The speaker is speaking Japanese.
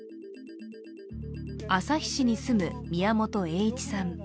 旭市に住む宮本英一さん。